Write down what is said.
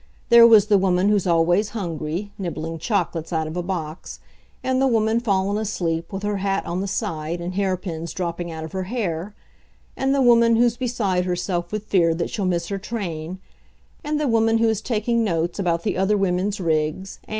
There was the woman who's always hungry, nibbling chocolates out of a box; and the woman fallen asleep, with her hat on the side, and hairpins dropping out of her hair; and the woman who's beside herself with fear that she'll miss her train; and the woman who is taking notes about the other women's rigs.